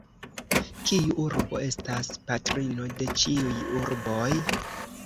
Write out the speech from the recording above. Kiu urbo estas patrino de ĉiuj urboj?